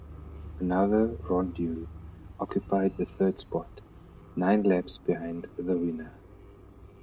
Another Rondeau occupied the third spot, nine laps behind the winner.